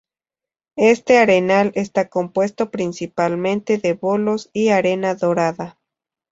Este arenal está compuesto principalmente de bolos y arena dorada.